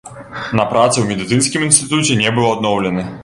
На працы ў медыцынскім інстытуце не быў адноўлены.